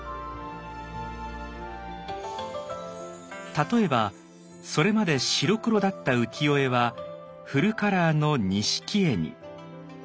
例えばそれまで白黒だった浮世絵はフルカラーの錦絵に。